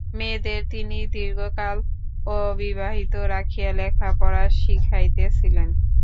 মেয়েদের তিনি দীর্ঘকাল অবিবাহিত রাখিয়া লেখাপড়া শিখাইতেছিলেন।